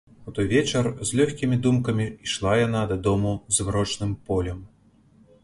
У той вечар з лёгкімі думкамі ішла яна дадому змрочным полем.